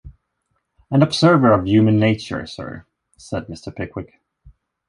'An observer of human nature, Sir,’ said Mr. Pickwick.